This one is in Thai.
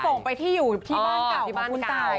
ส่งไปที่อยู่ที่บ้านเก่าของคุณตาย